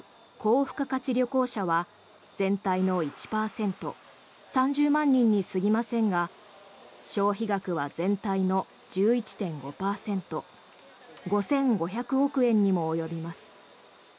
付加価値旅行者は全体の１％３０万人にすぎませんが消費額は全体の１１．５％５５００億円にも及びます。